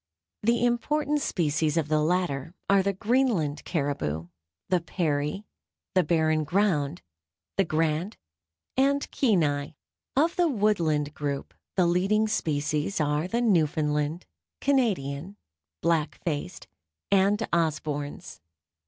The important species of the latter are the Greenland caribou, the Peary, the Barren Ground, the Grant and Kenai. Of the Woodland group the leading species are the Newfoundland, Canadian, Black Faced, and Osborn's.